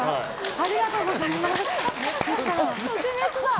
ありがとうございます。